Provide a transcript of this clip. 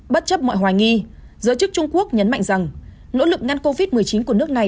bất chấp mọi hoài nghi giới chức trung quốc nhấn mạnh rằng nỗ lực ngăn covid một mươi chín của nước này